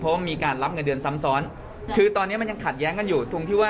เพราะมีการรับเงินเดือนซ้ำศ้อนคือตอนนี้กลัดแยกกันอยู่